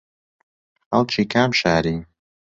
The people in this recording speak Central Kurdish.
خەڵکی کام شاری